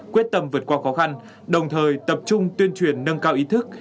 quyết tâm vượt qua khó khăn đồng thời tập trung tuyên truyền nâng cao ý thức